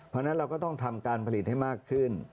เพราะฉะนั้นเราก็ต้องทำการผลิตให้มากขึ้น